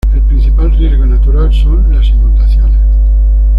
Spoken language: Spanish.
El principal riesgo natural son las inundaciones.